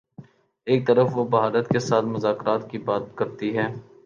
ایک طرف وہ بھارت کے ساتھ مذاکرات کی بات کرتی ہے۔